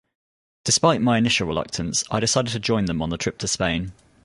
Despite my initial reluctance, I decided to join them on the trip to Spain.